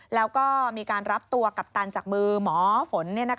แล้วก็มีการรับตัวกัปตันจากมือหมอฝน